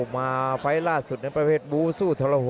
มาไฟล์ราชสุดนั้นประเภทบู้สู้ท